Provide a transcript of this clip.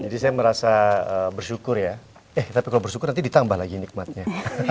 jadi saya merasa bersyukur ya eh tapi kalau bersyukur nanti ditambah lagi nikmatnya